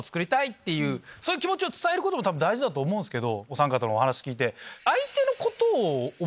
そういう気持ちを伝えることも大事だと思うんすけどおさん方のお話聞いて。